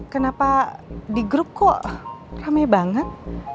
kenapa di grup kok rame banget